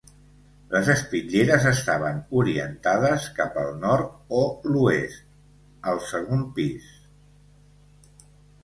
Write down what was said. Les espitlleres estaven orientades cap al nord o l'oest, al segon pis.